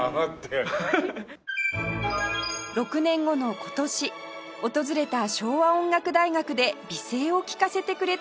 ６年後の今年訪れた昭和音楽大学で美声を聴かせてくれた学生とブラボーな再会